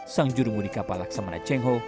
sang jurungudi kapal laksamana chengho